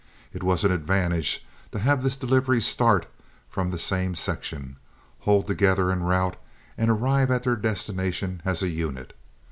It was an advantage to have this delivery start from the same section, hold together en route, and arrive at their destination as a unit.